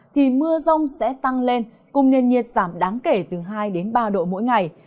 thì mưa rông sẽ tăng lên cùng nền nhiệt giảm đáng kể từ hai đến ba độ mỗi ngày